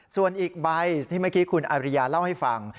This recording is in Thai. ส่วนอีกใบที่เมื่อกี้คุณอาริยาเล่าให้ฟัง